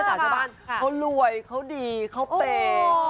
เขารวยเขาดีเขาเปรย์